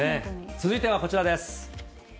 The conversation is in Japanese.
続いてはこちらです。